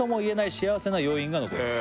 「幸せな余韻が残ります」